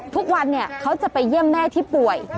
ทุกวันเขาจะไปเยี่ยมแม่ที่ป่วย